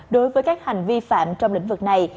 đối với các hành vi phạm trong lĩnh vực này